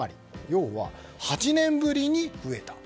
要は、８年ぶりに増えた。